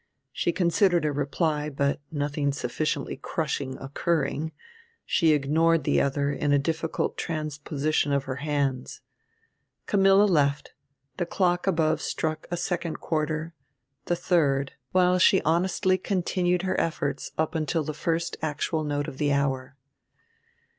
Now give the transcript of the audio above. She considered a reply, but, nothing sufficiently crushing occurring, she ignored the other in a difficult transposition of her hands. Camilla left; the clock above struck a second quarter; the third, while she honestly continued her efforts up until the first actual note of the hour.